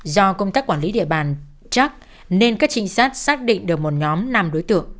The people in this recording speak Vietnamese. do công tác quản lý địa bàn chắc nên các trinh sát xác định được một nhóm năm đối tượng